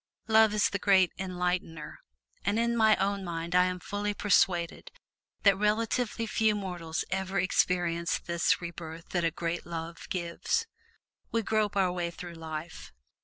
Love is the great enlightener. And in my own mind I am fully persuaded that comparatively few mortals ever experience this rebirth that a great love gives. We grope our way through life.